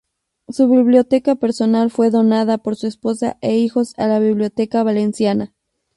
Su biblioteca personal fue donada por su esposa e hijos a la Biblioteca Valenciana.